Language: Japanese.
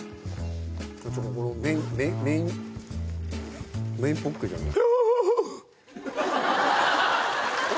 ちょっとこのメインメインポッケじゃない？